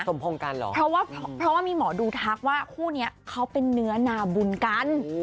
สมพงกันเหรอเพราะว่ามีหมอดูทักว่าคู่นี้เขาเป็นเนื้อนาบุญกัน